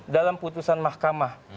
dalam putusan mahkamah